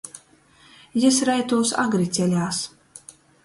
Jis reitūs agri ceļās.